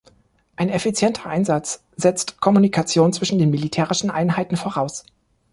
Ein effizienter Einsatz setzt Kommunikation zwischen den militärischen Einheiten voraus.